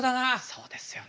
そうですよね。